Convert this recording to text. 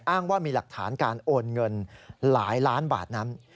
อ้างว่ามีหลักฐานการโอนเงินหลายล้านบาทนั้น